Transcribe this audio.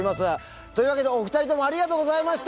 というわけでお二人ともありがとうございました！